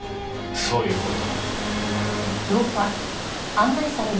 そういう事だ。